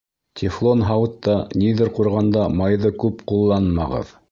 Тефлон һауытта ниҙер ҡурғанда майҙы күп ҡулланмағыҙ.